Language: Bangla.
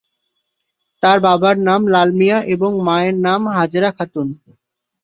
তার বাবার নাম লাল মিয়া এবং মায়ের নাম হাজেরা খাতুন।